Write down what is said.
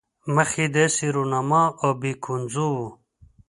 مخ یې داسې رونما او بې ګونځو وو.